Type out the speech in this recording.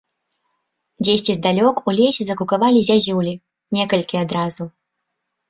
Дзесьці здалёк у лесе закукавалі зязюлі, некалькі адразу.